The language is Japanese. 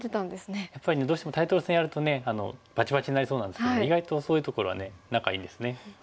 やっぱりどうしてもタイトル戦やるとバチバチになりそうなんですけど意外とそういうところはね仲いいんですね。